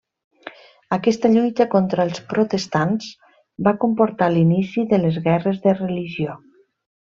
Aquesta lluita contra els protestants va comportar l'inici de les Guerres de Religió.